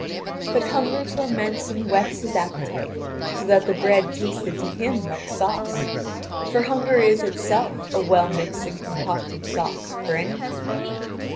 But hunger torments and whets his appetite, so that the bread tasted to him like sauce. For hunger is itself a well mixed and concocted sauce for any food.